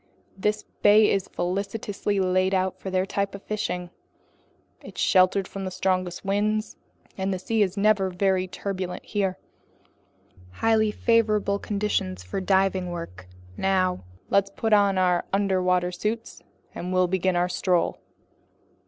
This bay is felicitously laid out for their type of fishing. It's sheltered from the strongest winds, and the sea is never very turbulent here, highly favorable conditions for diving work. Now let's put on our underwater suits, and we'll begin our stroll."